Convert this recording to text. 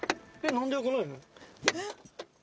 えっ？